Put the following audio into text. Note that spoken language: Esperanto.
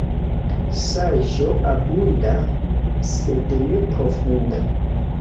Saĝo abunda, sed ne profunda.